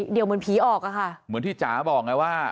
เดี๋ยวเหมือนผีออกอะค่ะเหมือนที่จ๋าบอกไงว่า